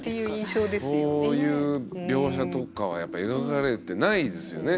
そういう描写とかはやっぱり描かれてないですよね